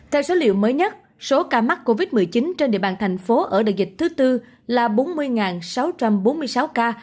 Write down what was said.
theo số liệu mới nhất số ca mắc covid một mươi chín trên địa bàn thành phố ở đại dịch thứ tư là bốn mươi sáu trăm bốn mươi sáu ca